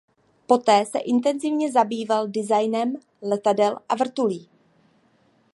Poté se intenzivně zabýval designem letadel a vrtulí.